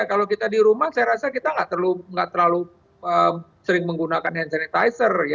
kalau kita di rumah saya rasa kita nggak terlalu sering menggunakan hand sanitizer